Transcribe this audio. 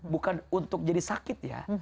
bukan untuk jadi sakit ya